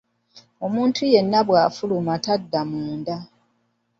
Omuntu yenna bw'afuluma tadda munda.